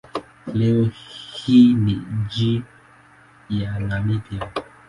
Leo hii ni nchi ya Namibia.